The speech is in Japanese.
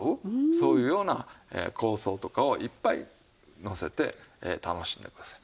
そういうような香草とかをいっぱいのせて楽しんでください。